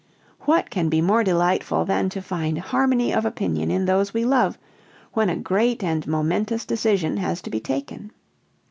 What can be more delightful than to find harmony of opinion in those we love, when a great and momentous decision has to be taken?